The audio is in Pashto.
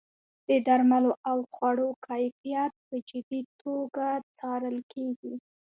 د درملو او خوړو کیفیت په جدي توګه څارل کیږي.